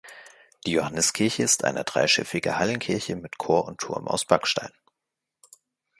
Die Johanniskirche ist eine dreischiffige Hallenkirche mit Chor und Turm aus Backstein.